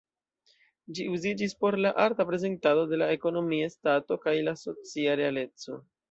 Ĝi uziĝis por la arta prezentado de la ekonomia stato kaj la socia realeco.